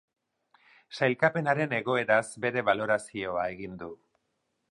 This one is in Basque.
Sailkapenaren egoeraz bere balorazioa egin du.